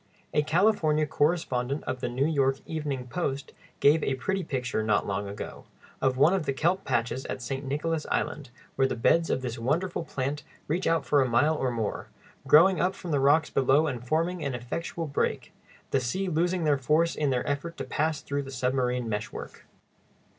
A California correspondent of the New York "Evening Post" gave a pretty picture, not long ago, of one of the kelp patches at St. Nicholas Island, where the beds of this wonderful plant reach out for a mile or more, growing up from the rocks below and forming an effectual break; the seas losing their force in their effort to pass through the submarine meshwork.